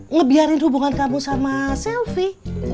ngebiarin hubungan kamu sama selfie